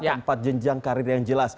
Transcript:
empat jenjang karir yang jelas